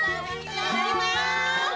いただきます。